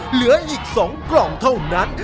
เหลืออีก๒กล่องเท่านั้น